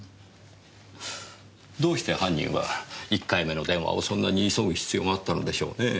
どうして犯人は１回目の電話をそんなに急ぐ必要があったのでしょうねえ。